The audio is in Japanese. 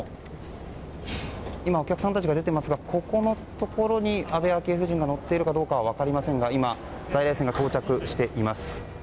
今、お客さんたちが出ていますがここのところに、安倍昭恵夫人が乗っているかどうかは分かりませんが在来線が到着しています。